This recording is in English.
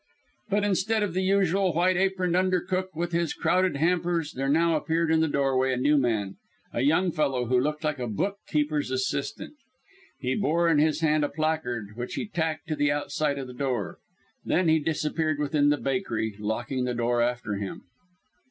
But instead of the usual white aproned under cook with his crowded hampers there now appeared in the doorway a new man a young fellow who looked like a bookkeeper's assistant. He bore in his hand a placard, which he tacked to the outside of the door. Then he disappeared within the bakery, locking the door after him.